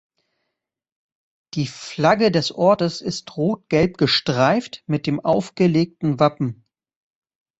Die Flagge des Ortes ist rot-gelb gestreift mit dem aufgelegten Wappen.